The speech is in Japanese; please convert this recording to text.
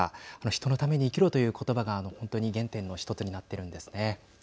人のために生きろという言葉が本当に原点の１つになっているんですね。